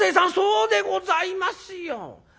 「そうでございますよ。